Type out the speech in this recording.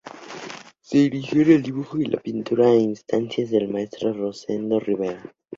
Se inició en el dibujo y la pintura a instancias del maestro Rosendo Rivera.